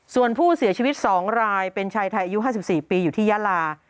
ส่วนผู้เสียชีวิตสองรายเป็นชายไทยอายุห้าสิบสี่ปีอยู่ที่ยาลา